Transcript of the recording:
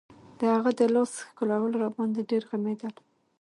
د هغه د لاس ښکلول راباندې ډېر غمېدل.